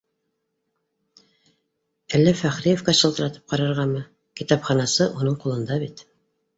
Әллә Фәхриевкә шылтыратып ҡарарғамы? Китапханасы уның ҡулында бит